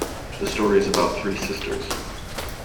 The story is about three sisters.